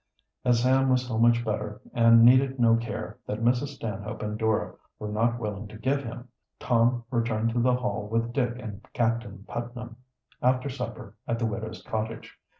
As Sam was so much better and needed no care that Mrs. Stanhope and Dora were not willing to give him, Tom returned to the Hall with Dick and Captain Putnam, after supper at the widow's cottage.